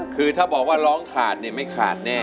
คือถ้าบอกว่าร้องขาดเนี่ยไม่ขาดแน่